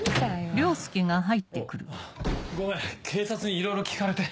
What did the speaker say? ごめん警察にいろいろ聞かれて。